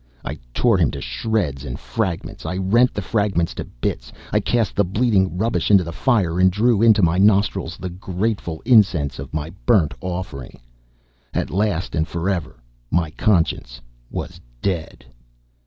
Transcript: I tore him to shreds and fragments. I rent the fragments to bits. I cast the bleeding rubbish into the fire, and drew into my nostrils the grateful incense of my burnt offering. At last, and forever, my Conscience was dead!